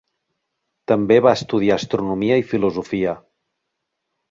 També va estudiar astronomia i filosofia.